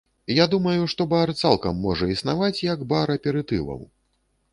Я думаю, што бар цалкам можа існаваць як бар аперытываў.